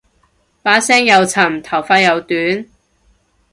把聲又沉頭髮又短